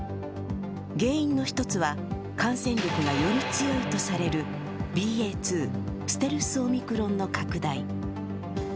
原因の１つは、感染力がより強いとされるＢＡ．２＝ステルスオミクロンの拡大。